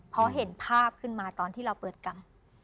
พอเห็นภาพขึ้นมาตอนที่เราเปิดกรรม